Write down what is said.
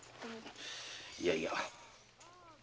いやいや。